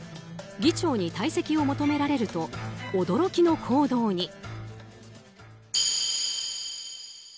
議長に退席を求められると驚きの行動に。